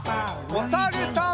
おさるさん。